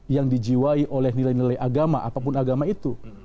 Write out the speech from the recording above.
yang dijiwai oleh nilai nilai agama apapun agama itu